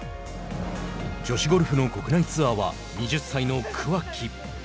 女子ゴルフの国内ツアーは２０歳の桑木。